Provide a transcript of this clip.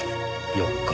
４日。